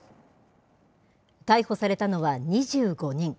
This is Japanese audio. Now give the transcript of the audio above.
逮捕されたのは２５人。